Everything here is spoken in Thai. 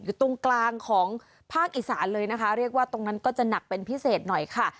อยู่ตรงกลางของภาคอีสานเลยนะคะเรียกว่าตรงนั้นก็จะหนักเป็นพิเศษหน่อยค่ะ